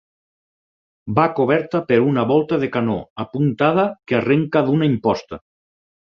Va coberta per una volta de canó apuntada que arrenca d'una imposta.